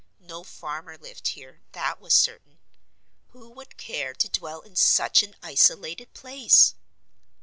No farmer lived here, that was certain. Who would care to dwell in such an isolated place?